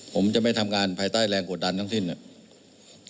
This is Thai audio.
ผมจะไม่ทำงานภายใต้แรงกดดันทั้งที่นี่